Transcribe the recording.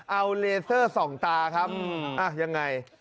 เอาเลเซอร์ส่องตาครับยังไง